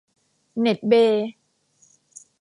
เน็ตเบย์